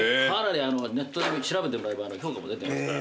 ネットで調べてもらえれば評価も出てますから。